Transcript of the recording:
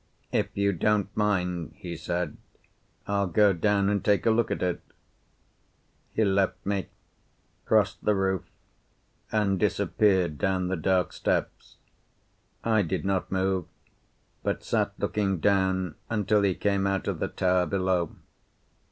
"If you don't mind," he said, "I'll go down and take a look at it." He left me, crossed the roof, and disappeared down the dark steps. I did not move, but sat looking down until he came out of the tower below.